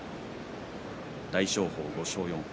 大翔鵬、５勝４敗。